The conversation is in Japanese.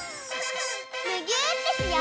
むぎゅーってしよう！